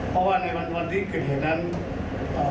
เพราะว่าในวันที่เกิดเหตุนั้นเอ่อ